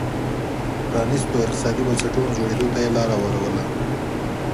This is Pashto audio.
پرانيستو اقتصادي بنسټونو جوړېدو ته یې لار هواروله.